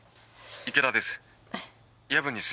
池田です。